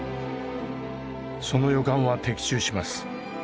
その予感は的中します。